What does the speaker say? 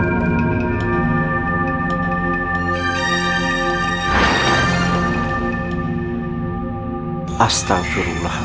tuan tuan tuan tuan tuan